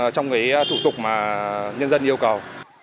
trong cái thủ tục mà nhân dân yêu cầu